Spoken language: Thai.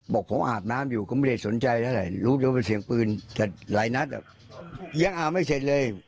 บอกผมอาบน้ำอยู่ก็ไม่ได้สนใจเท่าไหร่รู้ได้ว่าเป็นเสียงปืนแต่หลายนัดยังอาบไม่เสร็จเลย